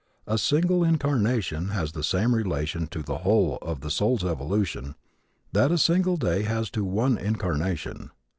A single incarnation has the same relation to the whole of the soul's evolution that a single day has to one incarnation.